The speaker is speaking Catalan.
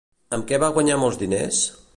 Amb què va guanyar molts diners?